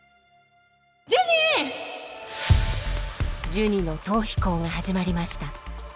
ジュニの逃避行が始まりました。